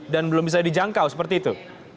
dan belum bisa dijangkau seperti itu